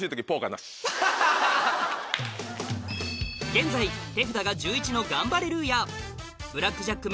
現在手札が１１のガンバレルーヤブラックジャック